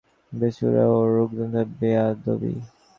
প্রাণের সংগীতসভায় ওর অস্তিত্বটা বেসুরো, ওর রুগ্নতা বেয়াদবি।